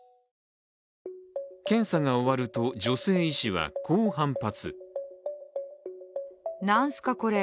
検査が終わると、女性医師はこう反発。